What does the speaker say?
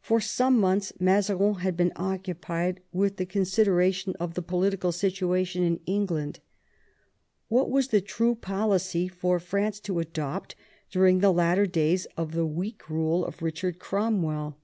For some months Mazarin had been occupied with the consideration of the political situation in England. What was the true policy for France to adopt during the latter days of the weak rule of Eichard Cromwell?